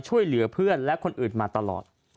ช่วยเหลือเพื่อนและคนอื่นมาตลอด